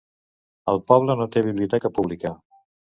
El poble no té biblioteca pública.